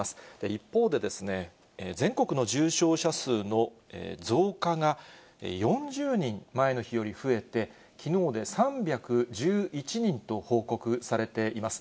一方で、全国の重症者数の増加が４０人、前の日より増えて、きのうで３１１人と報告されています。